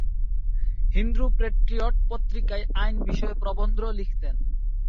Hindu Patriot পত্রিকায় আইন বিষয়ে প্রবন্ধ লিখতেন।